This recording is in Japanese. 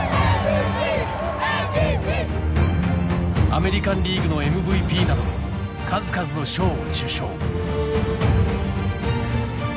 アメリカン・リーグのＭＶＰなど数々の賞を受賞。